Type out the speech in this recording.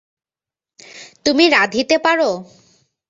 তুমি রাঁধিতে পার?